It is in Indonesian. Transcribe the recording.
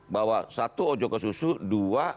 bahwa satu ojo ke susu dua